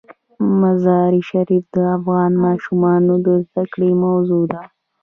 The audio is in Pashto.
مزارشریف د افغان ماشومانو د زده کړې موضوع ده.